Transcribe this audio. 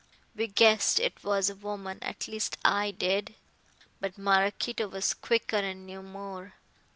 We guessed it was a woman, at least I did, but Maraquito was quicker and knew more.